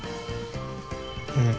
うん。